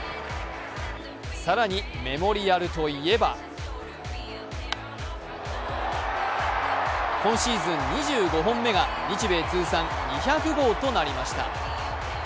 更にメモリアルといえば今シーズン２５本目が日米通算２００号となりました。